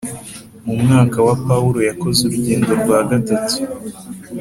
Mu mwaka wa Pawulo yakoze urugendo rwa gatatu